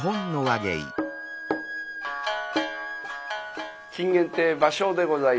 生でございます。